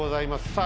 さあ